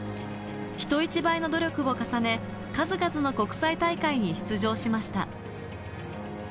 人一倍の努力を重ね、数々の国際大会に出場しました。